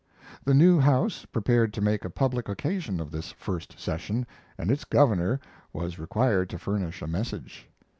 The new House prepared to make a public occasion of this first session, and its Governor was required to furnish a message.